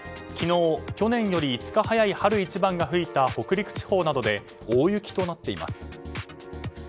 昨日、去年より５日早い春一番が吹いた北陸地方などで大雪となっています。